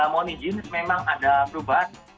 mohon izin memang ada perubahan